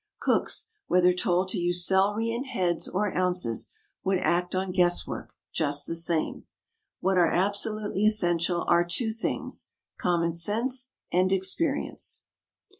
Cooks, whether told to use celery in heads or ounces, would act on guess work just the same. What are absolutely essential are two things common sense and experience.